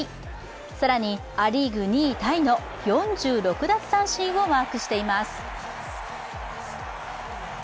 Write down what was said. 更にア・リーグ２位タイの４６奪三振をマークしています。